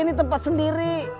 ini tempat sendiri